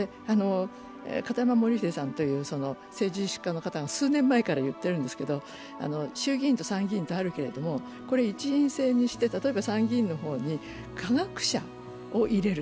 片山さんという政治家の方が数年前から言っているんですけど衆議院と参議院があるけれどもこれを一院制にして、参議院の方に科学者を入れる。